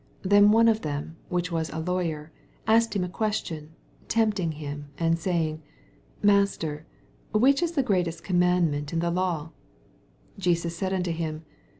85 Then one of them, fchich wot a Lawyer, asked Aim a qttstHon^ tempting him, and saying, 86 Master, which w the great com mandment in the law t 87 Jesus said unto him.